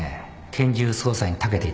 拳銃操作にたけていた